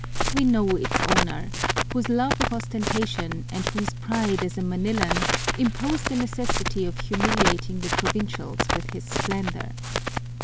We know its owner, whose love of ostentation and whose pride as a Manilan imposed the necessity of humiliating the provincials with his splendor.